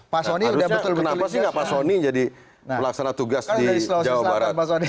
harusnya kenapa sih nggak pak sony jadi pelaksana tugas di jawa barat